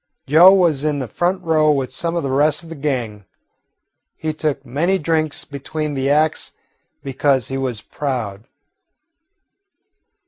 Joe was in a front row with some of the rest of the gang. He took many drinks between the acts, because he was proud.